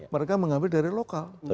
mereka mengambil dari lokal